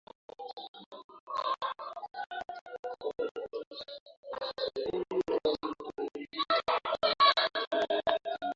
Kiuhalisia waha na wamanyema ni Watu wamoja tangu enzi na enzi walipendana na kuthaminiana